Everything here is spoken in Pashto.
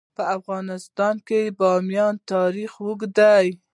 په افغانستان کې د بامیان تاریخ اوږد دی.